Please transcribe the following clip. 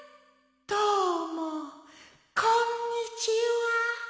どうもこんにちは」。